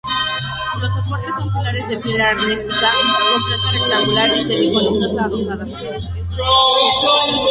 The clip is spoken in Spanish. Los soportes son pilares de piedra arenisca, con planta rectangular y semicolumnas adosadas.